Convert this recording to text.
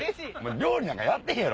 料理なんかやってへんやろ？